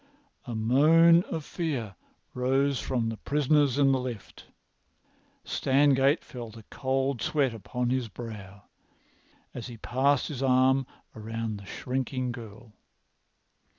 A moan of fear rose from the prisoners in the lift. Stangate felt a cold sweat upon his brow as he passed his arm round the shrinking girl.